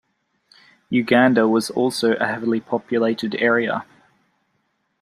Uganda was also a heavily populated area.